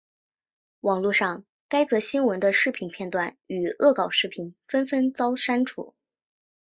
网路上该则新闻的视频片段与恶搞视频纷纷遭删除。